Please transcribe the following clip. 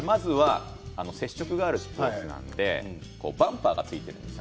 接触があるスポーツなのでバンパーがついているんです。